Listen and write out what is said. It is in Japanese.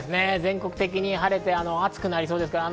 全国的に晴れて暑くなりそうです。